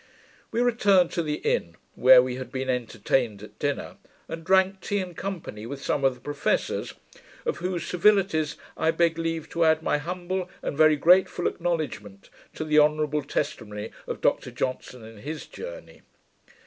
We returned to the inn, where we had been entertained at dinner, and drank tea in company with some of the professors, of whose civilities I beg leave to add my humble and very grateful acknowledgement to the honourable testimony of Dr Johnson, in his Journey.